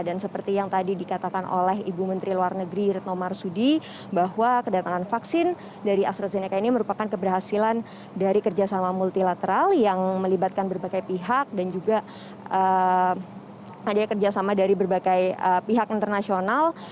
dan seperti yang tadi dikatakan oleh ibu menteri luar negeri retno marsudi bahwa kedatangan vaksin dari astrazeneca ini merupakan keberhasilan dari kerjasama multilateral yang melibatkan berbagai pihak dan juga ada kerjasama dari berbagai pihak internasional